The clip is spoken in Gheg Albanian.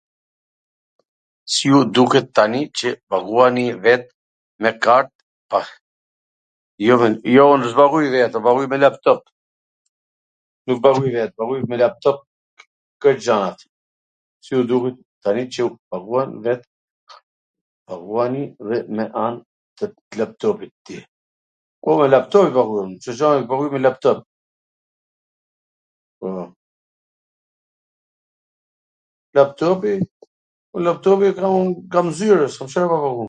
Si ju duket tani qw paguani vet me kart? He, jo un s paguj vet, paguj me laptop krejt gjanat... Un me lap top aguaj un, Cdo gje e paguaj me laptop .... laptopi, laptopi kam un kam nw zyrw, s lw pa pagu.